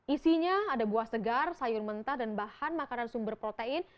isinya ada buah segar sayur mentah dan bahan makanan sumber protein